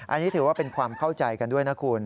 อันนี้ถือว่าเป็นความเข้าใจกันด้วยนะคุณ